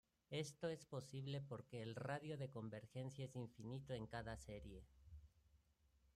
Esto es posible porque el radio de convergencia es infinito en cada serie.